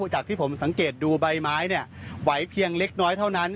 จากที่ผมสังเกตดูใบไม้ไหวเพียงเล็กน้อยเท่านั้น